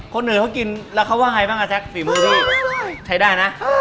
คนอื่นเขากินแล้วเขาว่าไงบ้างอาแซคฝีมือพี่ใช้ได้นะ